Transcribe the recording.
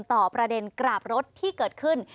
ต่อประเด็นกราบรถที่เกิดขึ้น